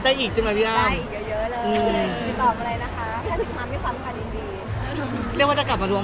พี่เอ็มเค้าเป็นระบองโรงงานหรือเปลี่ยนไงครับ